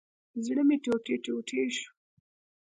زړه مي ټوټي ټوټي شو